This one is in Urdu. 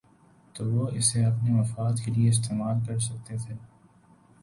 تو وہ اسے اپنے مفاد کے لیے استعمال کر سکتے تھے۔